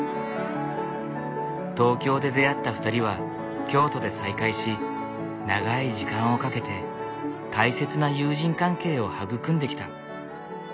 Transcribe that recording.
東京で出会った２人は京都で再会し長い時間をかけて大切な友人関係を育んできた。